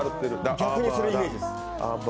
逆にするイメージです。